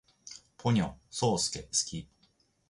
ポニョ，そーすけ，好き